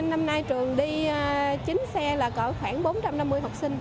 năm nay trường đi chín xe là c khoảng bốn trăm năm mươi học sinh